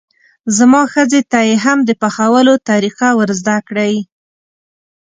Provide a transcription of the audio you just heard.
زما ښځې ته یې هم د پخولو طریقه ور زده کړئ.